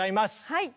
はい！